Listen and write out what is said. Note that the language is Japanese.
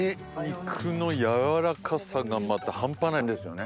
肉の軟らかさがまた半端ないんですよね。